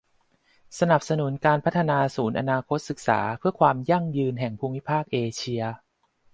สนับสนุนการพัฒนาศูนย์อนาคตศึกษาเพื่อความยั่งยืนแห่งภูมิภาคเอเชีย